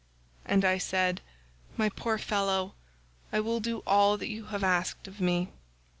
And I said, 'My poor fellow, I will do all that you have asked of me.